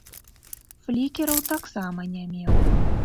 Флікераў таксама не меў.